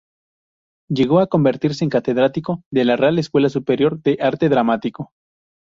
Llegó a convertirse en Catedrático de la Real Escuela Superior de Arte Dramático.